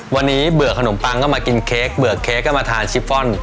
วันนี้เบื่อขนมปังก็มากินเค้กเบื่อเค้กก็มาทานชิปฟอนด